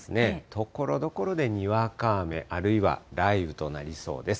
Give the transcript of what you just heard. ところどころでにわか雨、あるいは雷雨となりそうです。